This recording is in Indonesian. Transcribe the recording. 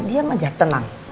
diam aja tenang